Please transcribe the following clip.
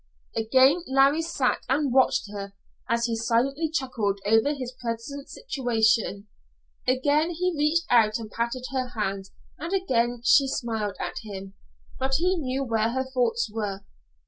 Again Larry sat and watched her, as he silently chuckled over his present situation. Again he reached out and patted her hand, and again she smiled at him, but he knew where her thoughts were.